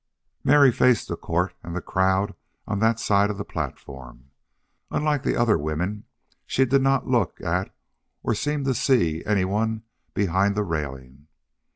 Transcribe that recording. Mary faced the court and the crowd on that side of the platform. Unlike the other women, she did not look at or seem to see any one behind the railing.